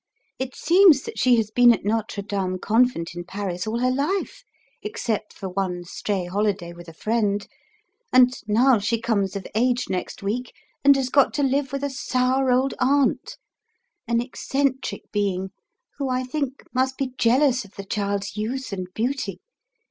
It seems that she has been at Notre Dame Convent in Paris all her life, except for one stray holiday with a friend, and now she comes of age next week, and has got to live with a sour old aunt, an eccentric being who I think must be jealous of the child's youth and beauty.